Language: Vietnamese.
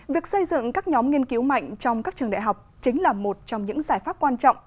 việc xây dựng các nhóm nghiên cứu mạnh trong các trường đại học chính là một trong những giải pháp quan trọng